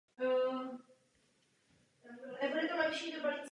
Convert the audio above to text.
Svatba se konala v jejím rodném městě v Německu.